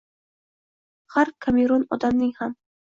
Har komiron odamning ham